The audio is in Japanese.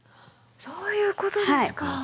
そういうことですか。